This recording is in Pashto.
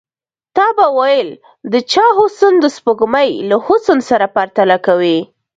تا به ويل د چا حسن د سپوږمۍ له حسن سره پرتله کوي.